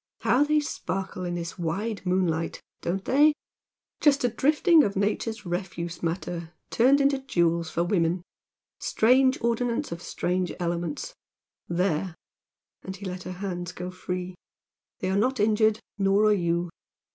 How they sparkle in this wide moonlight, don't they? Just a drifting of nature's refuse matter, turned into jewels for women! Strange ordinance of strange elements! There!" and he let her hands go free "They are not injured, nor are you."